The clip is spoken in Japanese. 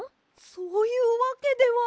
そういうわけでは。